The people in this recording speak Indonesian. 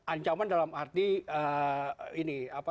ancaman dalam arti ini